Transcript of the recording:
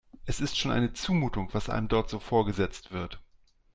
Es ist schon eine Zumutung, was einem dort so vorgesetzt wird.